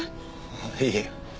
あいいえ。